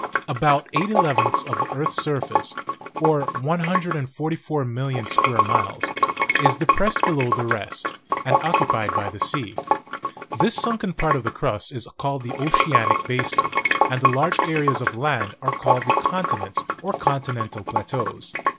About eight elevenths of the earth's surface, or 144,000,000 square miles, is de pressed below the rest, and occupied by the sea. This sunken part of the crust is called the oceanic basin, and the large areas of land are called the continents or con tinental plateaus.